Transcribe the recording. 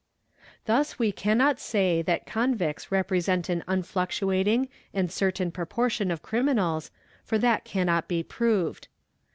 'Thus we cannot say that convicts represent an unfluctuating and : ertain proportion of criminals, for that cannot be proved.